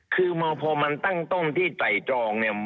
คือพอมันตั้งต้มที่ไต่ตรองเนี่ย